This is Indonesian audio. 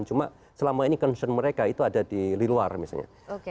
cuma selama ini concern mereka itu ada di luar misalnya